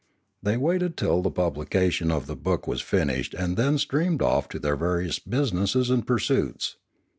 They waited till the publication of the book was finished and then streamed off to their various businesses and pursuits.